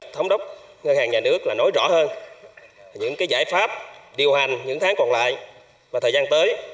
thống đốc ngân hàng nhà nước là nói rõ hơn những giải pháp điều hành những tháng còn lại và thời gian tới